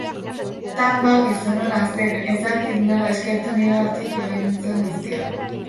Tanba gizon ona zen, ez dakit nola eskertu nigatik egin zuen guztia.